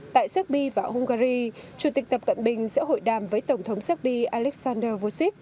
tại serbia và hungary chủ tịch tập cận bình sẽ hội đàm với tổng thống serbia alexander vucic